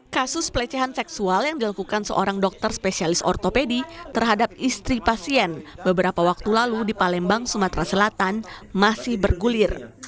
kasus pelecehan seksual yang dilakukan seorang dokter spesialis ortopedi terhadap istri pasien beberapa waktu lalu di palembang sumatera selatan masih bergulir